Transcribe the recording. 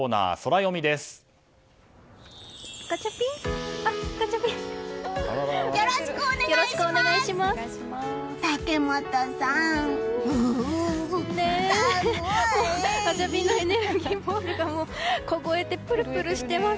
よろしくお願いします！